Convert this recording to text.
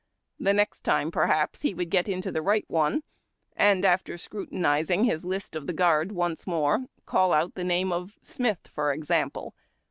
The next time perhaps he woukl get into the right one, and, after scrutinizing his list of the guard once more, call out the name of Sriiith, for example.